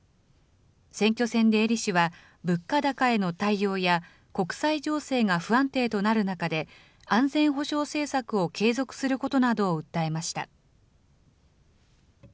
選挙戦で英利氏は、物価高への対応や、国際情勢が不安定となる中で、安全保障政策を継続することなどを訴えました。